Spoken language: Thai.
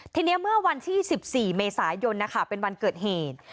ทีนี้เมื่อวันที่สิบสี่เมษายนนะคะเป็นวันเกิดเหตุ